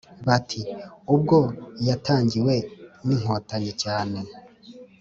bati: “ubwo yatangiwe n’inkotanyi cyane